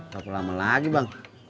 berapa lama lagi bang